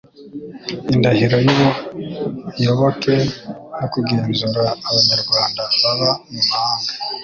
Indahiro y'ubuyoboke yo kugenzura Abanyarwanda baba mu mahanga